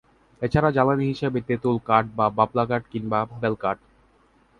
এছাড়া জ্বালানী হিসেবে তেঁতুল কাঠ বা বাবলা কাঠ কিংবা বেলকাঠ।